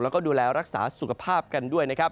แล้วก็ดูแลรักษาสุขภาพกันด้วยนะครับ